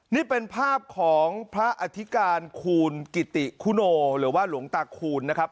นี่เป็นภาพของพระอธิการคูณกิติคุโนหรือว่าหลวงตาคูณนะครับ